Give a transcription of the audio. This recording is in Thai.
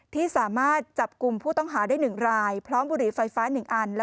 ที่สามารถจับกลุ่มผู้ต้องหาได้๑รายพร้อมบุหรี่ไฟฟ้า๑อัน